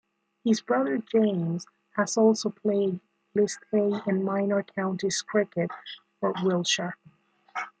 His brother, James, has also played List A and Minor Counties cricket for Wiltshire.